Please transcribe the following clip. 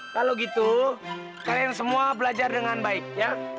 kalau gitu kalian semua belajar dengan baik ya